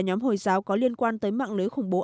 nhóm hồi giáo có liên quan tới mạng lưới khủng bố